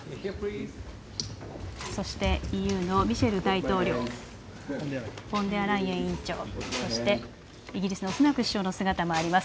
そしてＥＵのミシェル大統領、フォンデアライエン委員長、そしてイギリスのスナク首相の姿もあります。